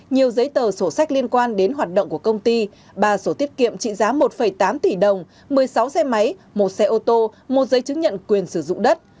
nhiều giấy tờ sổ sách liên quan đến hoạt động của công ty ba sổ tiết kiệm trị giá một tám tỷ đồng một mươi sáu xe máy một xe ô tô một giấy chứng nhận quyền sử dụng đất